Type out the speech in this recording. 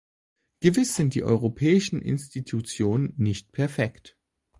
Gewiss sind die europäischen Institutionen nicht perfekt.